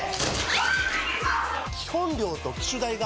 基本料と機種代が